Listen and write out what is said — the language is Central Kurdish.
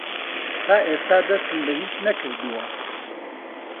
تا ئێستا دەستم بە هیچ نەکردووە.